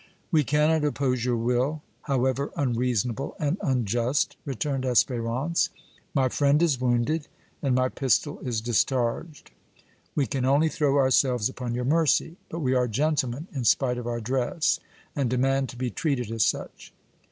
"We cannot oppose your will, however unreasonable and unjust," returned Espérance; "my friend is wounded and my pistol is discharged. We can only throw ourselves upon your mercy; but we are gentlemen in spite of our dress, and demand to be treated as such!"